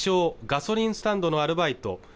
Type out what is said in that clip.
・ガソリンスタンドのアルバイト